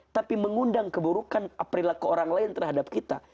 tapi mengundang keburukan perilaku orang lain terhadap kita